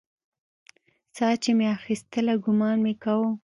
ساه چې مې اخيستله ګومان مې کاوه.